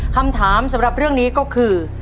คำถามสำหรับเรื่องนี้ก็คือ